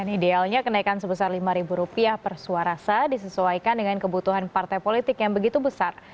idealnya kenaikan sebesar rp lima per suarasa disesuaikan dengan kebutuhan partai politik yang begitu besar